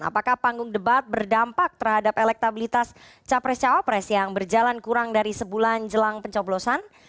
apakah panggung debat berdampak terhadap elektabilitas capres cawapres yang berjalan kurang dari sebulan jelang pencoblosan